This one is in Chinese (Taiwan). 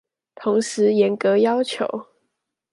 同時嚴格要求